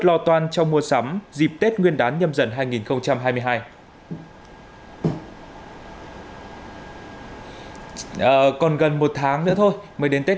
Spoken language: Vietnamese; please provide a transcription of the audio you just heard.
lo toan trong mua sắm dịp tết nguyên đán nhâm dần hai nghìn hai mươi hai còn gần một tháng nữa thôi mới đến tết